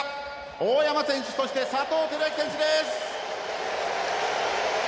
大山選手そして、佐藤輝明選手です。